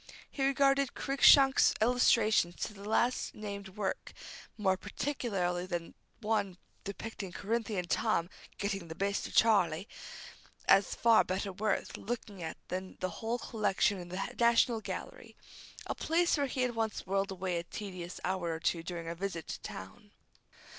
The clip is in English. He regarded Cruikshank's illustrations to the last named work more particularly that one depicting Corinthian Tom "getting the best of Charley," as far better worth looking at than the whole collection in the National Gallery, a place where he had once whirled away a tedious hour or two during a visit to town.